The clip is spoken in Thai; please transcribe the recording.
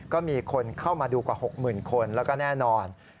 ก็มีคนเข้ามาดูกว่า๖๐๐๐คนแล้วก็แน่นอน